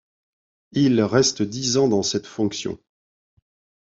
Il reste dix ans dans cette fonction.